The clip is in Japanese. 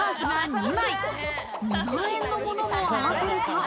２万円のものを合わせると。